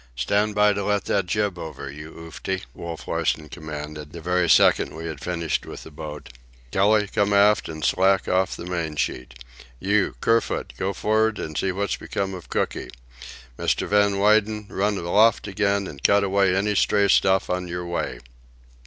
"Stand by to let that jib over, you Oofty!" Wolf Larsen commanded, the very second we had finished with the boat. "Kelly, come aft and slack off the main sheet! You, Kerfoot, go for'ard and see what's become of Cooky! Mr. Van Weyden, run aloft again, and cut away any stray stuff on your way!"